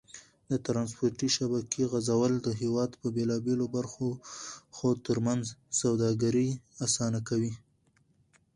د ترانسپورتي شبکې غځول د هېواد د بېلابېلو برخو تر منځ سوداګري اسانه کوي.